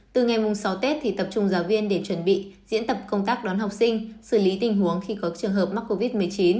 từ ngày mùng sáu tết thì tập trung giáo viên để chuẩn bị diễn tập công tác đón học sinh xử lý tình huống khi có trường hợp mắc covid một mươi chín